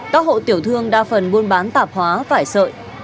các hộ tiểu thương đa phần buôn bán tạp hóa vải sợi